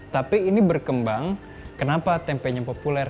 tapi ini berkembang kenapa tempenya populer